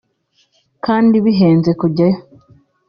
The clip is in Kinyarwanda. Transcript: kandi bihenze kujyayo